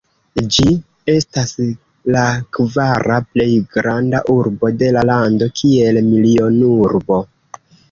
Ĝi estas la kvara plej granda urbo de la lando, kiel milionurbo.